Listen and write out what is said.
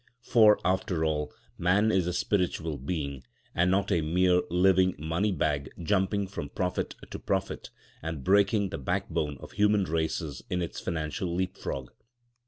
For, after all, man is a spiritual being, and not a mere living money bag jumping from profit to profit, and breaking the backbone of human races in its financial leapfrog.